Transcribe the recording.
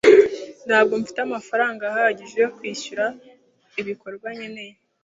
Ntabwo mfite amafaranga ahagije yo kwishyura ibikorwa nkeneye.